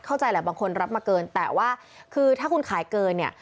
เข้าใจแหละบางคนรับมาเกินแต่ว่าคือถ้าคุณขายเกินเนี่ย